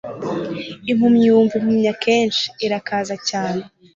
Impumyi yumva impumyi akenshi irakaze cyane.